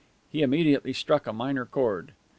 He immediately struck a minor chord.